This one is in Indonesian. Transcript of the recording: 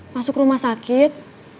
masuk rumah sakit